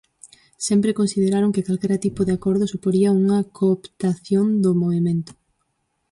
Sempre consideraron que calquera tipo de acordo suporía unha cooptación do movemento.